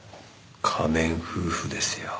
仮面夫婦ですよ。